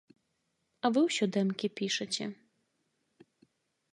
А вы ўсё дэмкі пішаце.